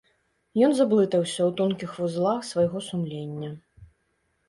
Ён заблытаўся ў тонкіх вузлах свайго сумлення.